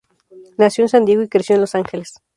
Nació en San Diego y creció en Los Angeles.